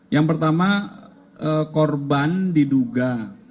yang pertama korban diduga